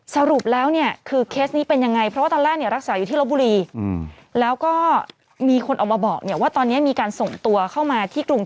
สรุปแล้วเนี่ยคือเคสนี้เป็นยังไง